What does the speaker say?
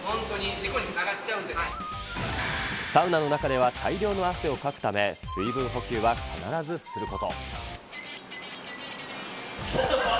事故につながっちゃサウナの中では大量の汗をかくため、水分補給は必ずすること。